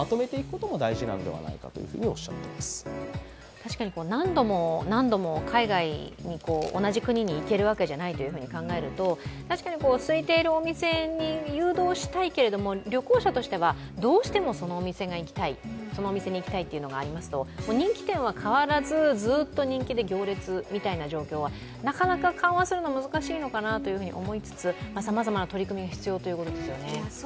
確かに、何度も何度も海外に、同じ国に行けるわけではないと考えると考えると、確かにすいているお店に誘導したいけれども旅行者としてはどうしてもそのお店に行きたいというのがありますと、人気店は変わらずずっと人気で行列みたいな状況はなかなか緩和するのが難しいのかなというふうにも思いつつ、さまざまな取り組みが必要ということですよね。